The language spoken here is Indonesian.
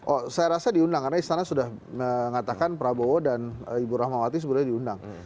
oh saya rasa diundang karena istana sudah mengatakan prabowo dan ibu rahmawati sebenarnya diundang